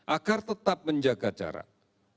agar tetap menjaga jarak